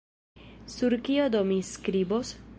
Sur kio do mi skribos?